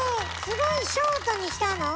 すごいショートにしたの？